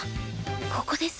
ここです。